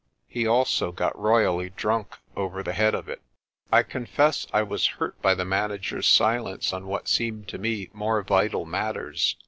He also got royally drunk over the head of it. I confess I was hurt by the manager's silence on what seemed to me more vital matters.